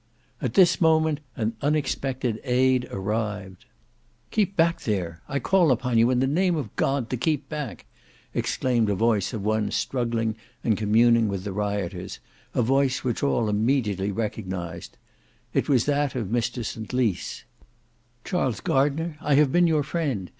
At this moment an unexpected aid arrived. "Keep back there! I call upon you in the name of God to keep back!" exclaimed a voice of one struggling and communing with the rioters, a voice which all immediately recognised. It was that of Mr St Lys. Charles Gardner, "I have been your friend.